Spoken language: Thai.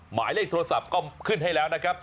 หมายเลขโทรศัพท์ก็ขึ้นให้แล้วนะครับ๐๙๖๖๖๗๒๕๔๕